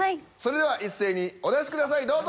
それでは一斉にお出しください。